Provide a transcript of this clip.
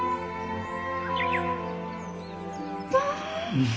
うん！